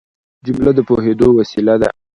جمله د پوهېدو وسیله ده.